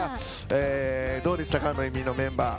どうでしたかノイミーのメンバー。